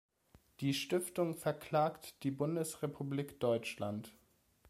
Die Stiftung verklagt die Bundesrepublik Deutschland.